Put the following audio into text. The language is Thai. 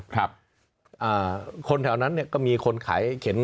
คนแถวนั้นเนี่ยก็มีคนขาย